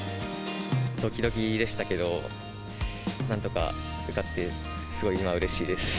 どきどきでしたけど、なんとか受かって、すごい今、うれしいです。